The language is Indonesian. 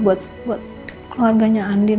buat keluarganya andin